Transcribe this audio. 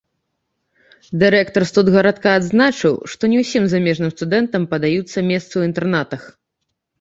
Дырэктар студгарадка адзначыў, што не ўсім замежным студэнтам падаюцца месцы ў інтэрнатах.